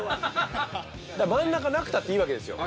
真ん中なくたっていいわけですよ。